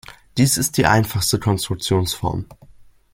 Dies ist die einfachste Konstruktionsform.